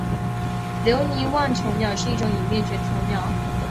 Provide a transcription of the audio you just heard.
留尼旺椋鸟是一种已灭绝的椋鸟。